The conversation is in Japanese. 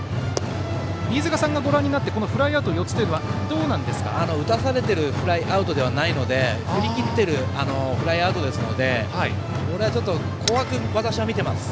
飯塚さんがご覧になってこのフライアウト４つというのは打たされているフライアウトではないので振り切ってのフライアウトなのでこれは私はちょっと怖く見ています。